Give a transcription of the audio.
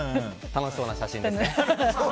楽しそうな写真ですね。